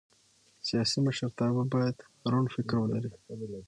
سیاسي مشرتابه باید روڼ فکر ولري